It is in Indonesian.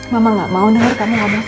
mama enggak mau dengar kamu ngomong